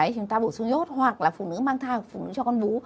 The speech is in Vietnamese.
chúng ta bổ sung iốt hoặc là phụ nữ mang thai hoặc phụ nữ cho con bú